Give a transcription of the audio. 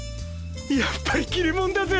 やっぱり切れ者だぜ！